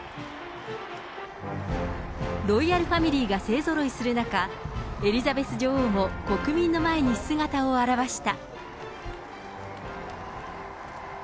ロイヤルファミリーが勢ぞろいする中、エリザベス女王も国民の前に姿を現した。